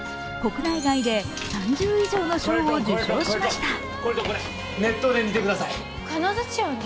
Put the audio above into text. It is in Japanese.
国内外で３０以上の賞を受賞しました。